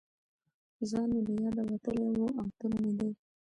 ځان مې له یاده وتلی و او تل مې دې